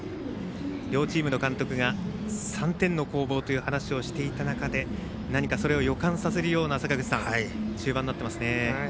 両チームの監督が３点の攻防という話をしていた中で何か、それを予感させるような中盤になってますね。